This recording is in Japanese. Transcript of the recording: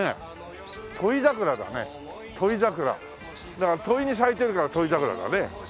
だから土肥に咲いてるから土肥桜だね。